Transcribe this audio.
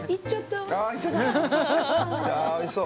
おいしそう！